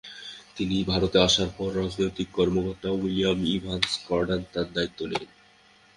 তিনি ভারতে আসার পর রাজনৈতিক কর্মকর্তা উইলিয়াম ইভান্স-গর্ডন তার দায়িত্ব নেন।